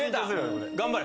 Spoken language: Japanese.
頑張れ！